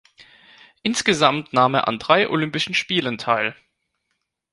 Insgesamt nahm er an drei Olympischen Spielen teil.